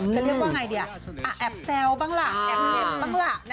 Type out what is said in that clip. จะเรียกว่าไงดีแอบแซวบ้างล่ะแอบเหน็บบ้างล่ะ